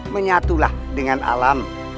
menyatulah dengan alam